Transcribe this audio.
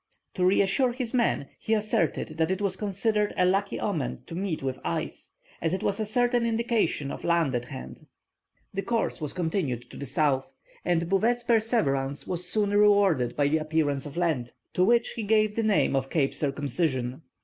To reassure his men, he asserted that it was considered a lucky omen to meet with ice, as it was a certain indication of land at hand. The course was continued to the south, and Bouvet's perseverance was soon rewarded by the appearance of land, to which he gave the name of Cape Circumcision.